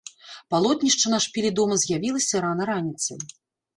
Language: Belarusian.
Палотнішча на шпілі дома з'явілася рана раніцай.